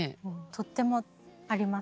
とってもあります。